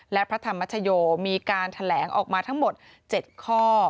และพระธรรมชโยมีการแถลงออกมาทั้งหมด๗ข้อ